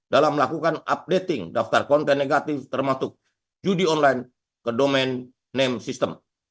dalam melakukan updating daftar konten negatif termasuk judi online ke domain name system